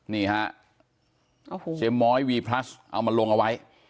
นี่ฮะเจ็มม้อยวีพลัสเอามาลงเอาไว้